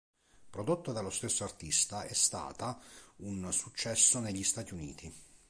Prodotta dallo stesso artista, è stata un successo negli Stati Uniti.